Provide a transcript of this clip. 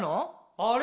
あれ？